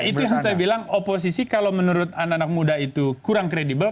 itu yang saya bilang oposisi kalau menurut anak anak muda itu kurang kredibel